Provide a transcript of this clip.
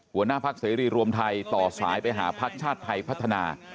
หัวหน้าพักเสรีรวมไทยต่อสายไปหาพักชาติไทยพัฒนา